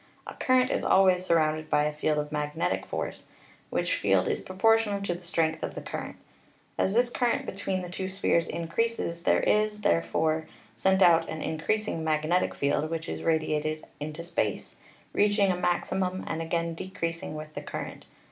A current is always surrounded by a field of magnetic force, which field is proportional to the strength of the current. As this current between the two spheres increases there is, therefore, sent out an in creasing magnetic field which is radiated into space, reach ing a maximum and again decreasing with the current.